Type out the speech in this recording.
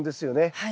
はい。